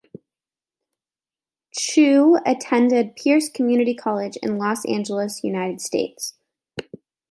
Chou attended Pierce Community College in Los Angeles, United States.